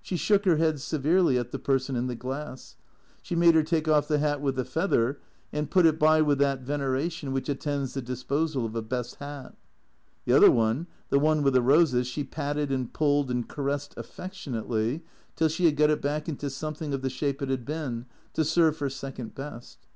She shook her head severely at the person in the glass. She made her take off the hat with the feather and put it by with that veneration which attends the disposal of a best hat. The other one, the one with the roses, she patted and pulled and caressed affec tionately, till she had got it back into something of the shape it had been, to serve for second best.